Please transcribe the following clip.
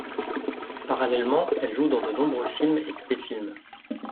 Parallèlement, elle joue dans de nombreux films et téléfilms.